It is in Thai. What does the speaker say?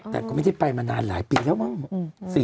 แต่ก็ไม่ได้ไปมานานหลายปีแล้วมั้ง